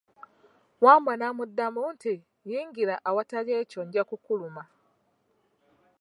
Wambwa n'amuddamu nti, yingira awatali ekyo nja kukulumal!